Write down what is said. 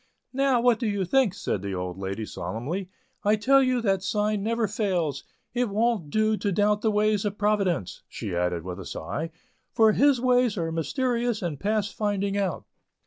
"Now, what do you think?" said the old lady, solemnly. "I tell you that sign never fails. It wont do to doubt the ways of Providence," she added with a sigh, "for His ways are mysterious and past finding out."